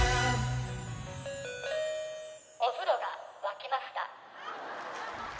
お風呂が沸きました。